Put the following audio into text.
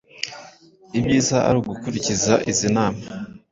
ibyiza ari ugukurikiza izi nama